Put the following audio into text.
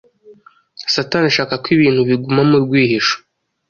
Satani ashaka ko ibintu biguma mu rwihisho